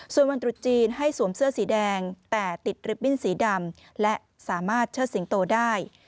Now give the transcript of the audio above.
ส่วนวันตรุษจีนให้สวมเสื้อสีแดงแต่ติดริบบิ้นสีดำและสามารถเชิดสิงโตได้